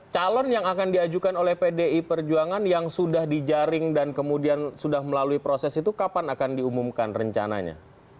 calon yang akan diajukan oleh pdi perjuangan yang sudah dijaring dan kemudian sudah melalui proses itu kapan akan diumumkan rencananya